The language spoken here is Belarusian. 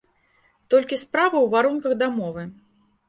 Толькі справа ў варунках дамовы.